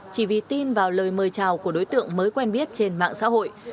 chỉ vì tin vào lời mời chào của đối tượng mới quen biết trên mạng xã hội